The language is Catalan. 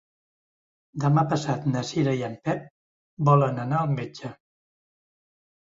Demà passat na Cira i en Pep volen anar al metge.